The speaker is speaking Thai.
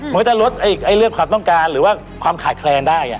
มันก็จะลดเรื่องความต้องการหรือว่าความขาดแคลนได้